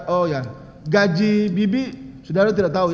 oh ya gaji bibi sudara tidak tahu ya